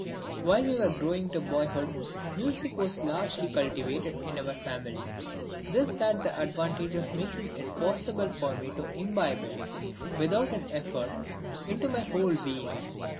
While we were growing to boyhood music was largely cultivated in our family. This had the advantage of making it possible for me to imbibe it, without an effort, into my whole being.